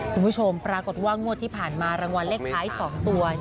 คุณผู้ชมปรากฏว่างวดที่ผ่านมารางวัลเลขท้าย๒ตัว